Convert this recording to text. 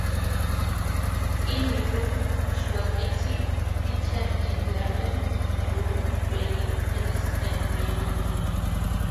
In Europe, she has exhibited in London, Rome, Berlin, Paris and Vienna.